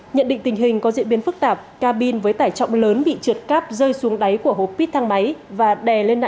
nhận định tình hình có diễn biến phức tạp ca bin với tải trọng lớn bị trượt cáp rơi xuống đáy của hộp pít thang máy và đè lên nạn nhân